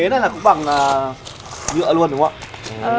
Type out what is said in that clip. ghế này là cũng bằng nhựa luôn đúng không ạ